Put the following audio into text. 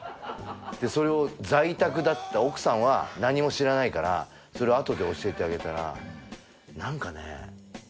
それを在宅だった奥さんは何も知らないからそれを後で教えてあげたらなんかね